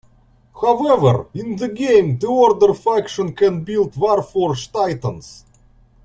However, in the game, the Order faction can build Warforged Titans.